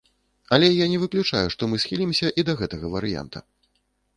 Але я не выключаю, што мы схілімся і да гэтага варыянта.